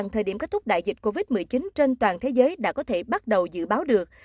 trên toàn thế giới đã có thể bắt đầu dự báo được